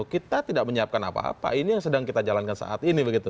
kita tidak menyiapkan apa apa ini yang sedang kita jalankan saat ini begitu